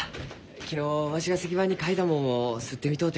昨日わしが石版に描いたもんを刷ってみとうて。